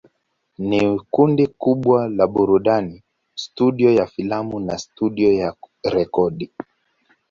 Ni kundi kubwa la burudani, studio ya filamu na studio ya rekodi.